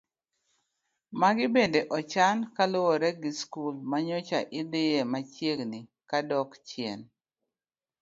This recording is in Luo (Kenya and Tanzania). Magi bende ochan kaluwore gi skul ma nyocha idhiye machiegni kadok chien.